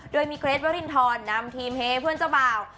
โดยมีเกรทวรินทรนำทีมเฮเพื่อนเจ้าบ่าว